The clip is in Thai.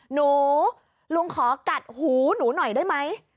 ลุงลุงขอกัดหูหนูหน่อยได้ไหม